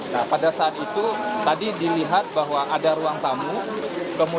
nah pada saat itu tadi dilihat bahwa ada ruang tamu